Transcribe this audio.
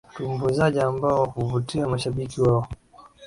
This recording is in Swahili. watumbuizaji ambao huvutia mashabiki wao